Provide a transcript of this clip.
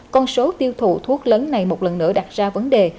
con số tiêu thụ thuốc lớn này một lần nữa đặt ra vấn đề